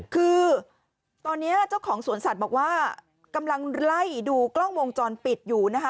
คือตอนนี้เจ้าของสวนสัตว์บอกว่ากำลังไล่ดูกล้องวงจรปิดอยู่นะคะ